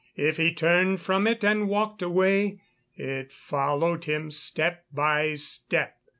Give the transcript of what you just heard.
If he turned from it and walked away, it followed him, step by step.